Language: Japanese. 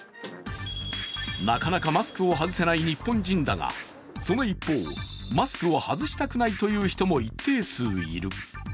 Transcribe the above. なかなかマスクを外せない日本人だがその一方、マスクを外したくないという人も一定数いる。